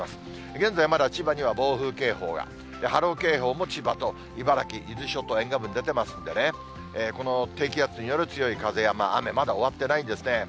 現在、まだ千葉には暴風警報が、波浪警報が千葉と茨城、伊豆諸島沿岸部に出てますんでね、この低気圧による強い風や雨、まだ終わってないんですね。